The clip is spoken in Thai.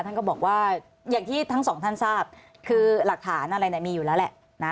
ท่านก็บอกว่าอย่างที่ทั้งสองท่านทราบคือหลักฐานอะไรมีอยู่แล้วแหละนะ